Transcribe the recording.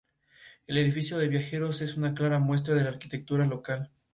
Algunos príncipes intentaron detener la pelea, pero sólo más personas se involucraron.